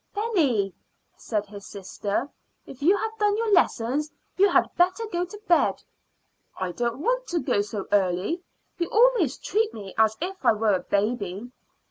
"Benny," said his sister, "if you have done your lessons, you had better go to bed." "I don't want to go so early. You always treat me as if I were a baby."